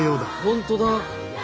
本当だ。